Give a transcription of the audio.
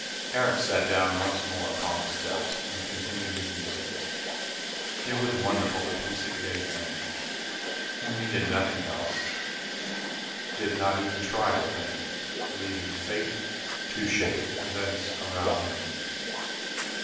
Eric sat down once more upon the steps and continued his music. It was wonderful the peace it gave him; he needed nothing else did not even try to think, leaving Fate to shape events around him.